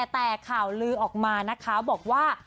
แต่ข่าวลือออกมานะคะบอกว่า